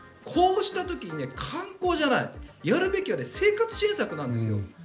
こうした時に観光じゃないやるべきは生活支援策なんですよ。